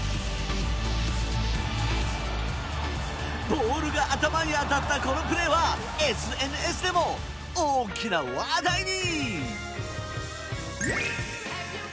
ボールが頭に当たったこのプレーはＳＮＳでも大きな話題に！